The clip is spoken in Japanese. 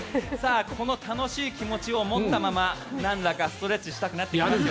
この楽しい気持ちを保ったままなんだかストレッチしたくなってきたな。